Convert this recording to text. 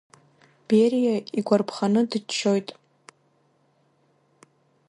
Бериа игәарԥханы дыччоит.